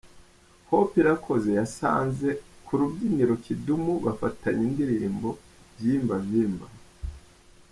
Hope Irakoze yasanze ku rubyiniro Kidum bafatanya indirimbo 'Vimba Vimba'.